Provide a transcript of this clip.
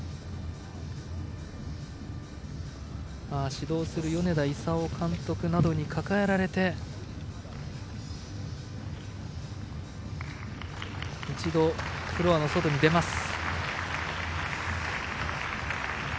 指導する米田功監督などに抱えられて一度、フロアの外に出ます。